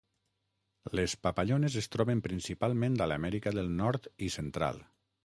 Les papallones es troben principalment a l'Amèrica del nord i central.